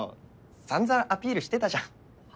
散々アピールしてたじゃん。